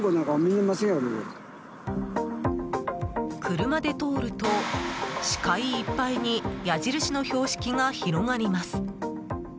車で通ると視界いっぱいに矢印の標識が広がります。